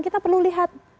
kita perlu lihat